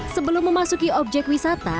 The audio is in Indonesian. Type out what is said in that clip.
sebelum memasuki objek wisata